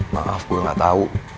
maaf gue gak tau